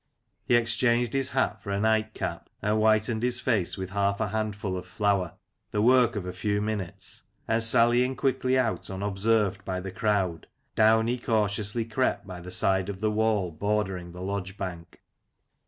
He exchanged his hat for a nightcap, and whitened his face with half a handful of flour, the work of a few minutes, and sallying quickly out unobserved by the crowd, down he cautiously crept by the side of the wall bordering the lodge bank.